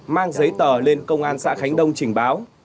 mang giấy tờ lên công an xã khánh đông trình báo